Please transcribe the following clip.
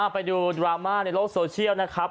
ไปดูดราม่าในโลกโซเชียลนะครับ